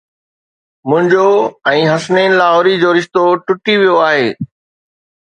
منهنجو ۽ حسنين لاهوري جو رشتو ٽٽي ويو آهي